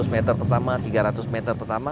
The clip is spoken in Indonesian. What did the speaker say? lima ratus meter pertama tiga ratus meter pertama